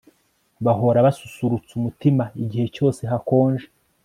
bahora basusurutsa umutima igihe cyose hakonje